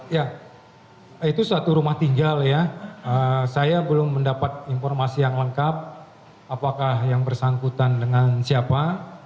ya itu satu rumah tinggal ya saya belum mendapat informasi yang lengkap apakah yang bersangkutan dengan siapa